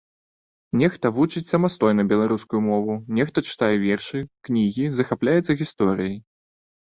Нехта вучыць самастойна беларускую мову, нехта чытае вершы, кнігі, захапляецца гісторыяй.